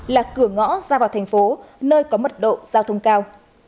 là cửa ngõ ra vào thành phố nơi có mật độ giao thông cao